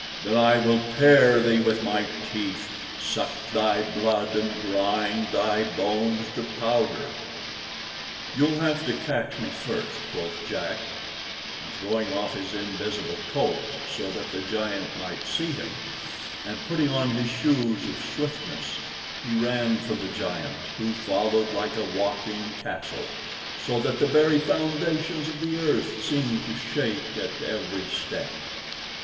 Then I will tear thee with my teeth, suck thy blood, and grind thy bones to powder." "You'll have to catch me first," quoth Jack, and throwing off his invisible coat, so that the giant might see him, and putting on his shoes of swiftness, he ran from the giant, who followed like a walking castle, so that the very foundations of the earth seemed to shake at every step.